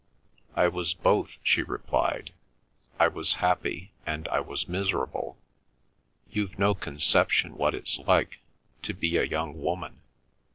"I was both," she replied. "I was happy and I was miserable. You've no conception what it's like—to be a young woman."